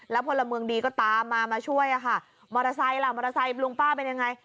พลเมืองดีก็ตามมามาช่วยอะค่ะมอเตอร์ไซค์ล่ะมอเตอร์ไซค์ลุงป้าเป็นยังไง